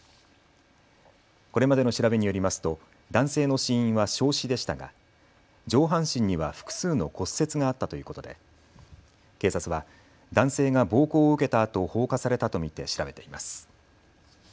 これまでの調べによりますと男性の死因は焼死でしたが上半身には複数の骨折があったということで警察は男性が暴行を受けたあと放火されたと見て調べています。